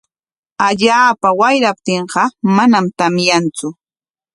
Allaapa wayraptinqa manam tamyantsu.